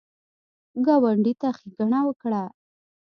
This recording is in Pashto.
ګاونډي ته ښېګڼه وکړه